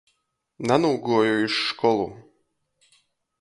Nanūguoju iz školu.